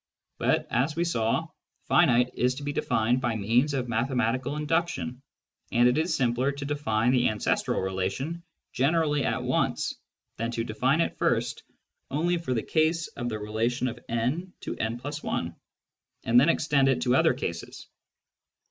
But, as we saw, " finite " is to be defined by means of mathe matical induction, and it is simpler to define the ancestral relation generally at once than to define it first only for the case of the relation of n to «+i, and then extend it to other cases.